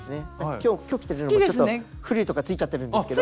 今日今日来てるのもちょっとフリルとかついちゃってるんですけど。